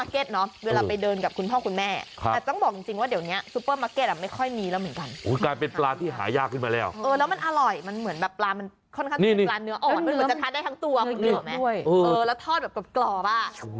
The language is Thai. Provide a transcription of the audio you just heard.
กลายเป็นปลาที่หายากขึ้นมาแล้วมันอร่อยมันเหมือนแบบปลาค่อนข้างมีปลาเนื้ออ่อนจะทานได้ทั้งตัวแล้วทอดกล่อป่ะ